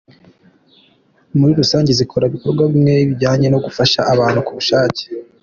Muri rusange zikora ibikorwa bimwe bijyanye no gufasha abantu ku bushake.